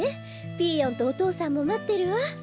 ピーヨンとお父さんもまってるわ。